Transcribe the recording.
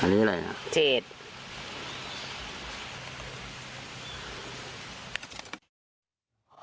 ฮันเนี่ยอะไรคะ๑๗